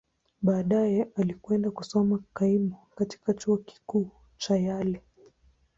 Baadaye, alikwenda kusoma kaimu katika Chuo Kikuu cha Yale.